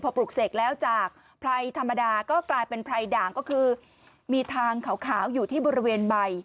พอปลูกเสกแล้วจากไพรธรรมดาก็กลายเป็นไพรด่างก็คือมีทางขาวอยู่ที่บริเวณใบ